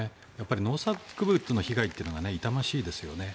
農作物の被害っていうのが痛ましいですよね。